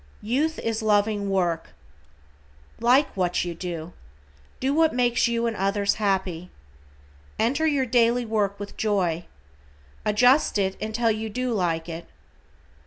=YOUTH IS LOVING WORK:= Like what you do. Do what makes you and others happy. Enter your daily work with joy. Adjust it until you do like it.